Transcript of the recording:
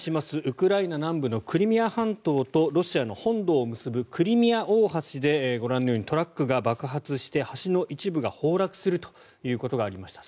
ウクライナ南部のクリミア半島とロシアの本土を結ぶクリミア大橋でご覧のようにトラックが爆発して橋の一部が崩落するということがありました。